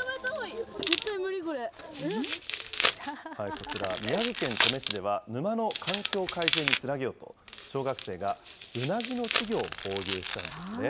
こちら、宮城県登米市では、沼の環境改善につなげようと、小学生がウナギの稚魚を放流したんですね。